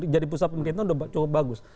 jadi pusat pemerintah sudah cukup bagus